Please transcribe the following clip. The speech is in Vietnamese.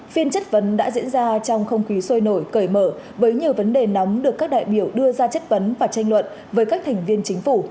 phiên chất vấn đã diễn ra trong không khí sôi nổi cởi mở với nhiều vấn đề nóng được các đại biểu đưa ra chất vấn và tranh luận với các thành viên chính phủ